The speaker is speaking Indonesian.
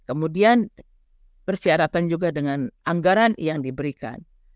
kemudian persyaratan juga dengan anggaran yang diberikan